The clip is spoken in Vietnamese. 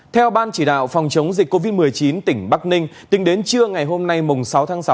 theo ban chỉ đạo phòng chống dịch covid một mươi chín tỉnh bắc ninh tính đến trưa ngày hôm nay sáu tháng sáu